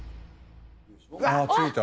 ああついた。